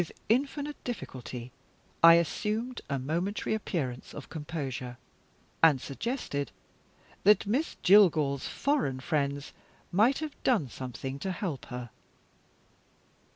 With infinite difficulty I assumed a momentary appearance of composure, and suggested that Miss Jillgall's foreign friends might have done something to help her.